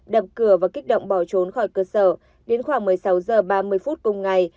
đập cửa và kích động bỏ trốn khỏi cơ sở đến khoảng một mươi sáu h ba mươi phút cùng ngày